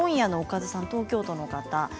東京都の方です。